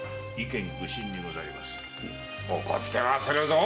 怒ってまするぞ！